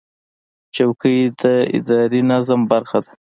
چوکۍ د اداري نظم برخه ده.